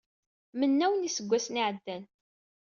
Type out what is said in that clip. Mennaw n iseggasen i ɛeddan.